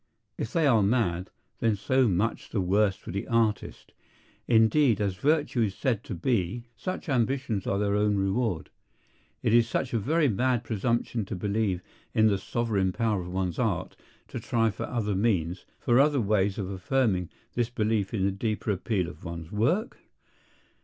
If they are mad, then so much the worse for the artist. Indeed, as virtue is said to be, such ambitions are their own reward. Is it such a very mad presumption to believe in the sovereign power of one's art, to try for other means, for other ways of affirming this belief in the deeper appeal of one's work?